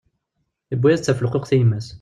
Yewwi-yas-d tafelquqt i yemma-s.